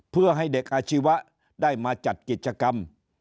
เพื่อให้เด็กอาชีวะได้มาจัดกิจกรรม